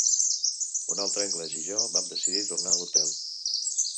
Un altre anglès i jo vam decidir tornar a l'Hotel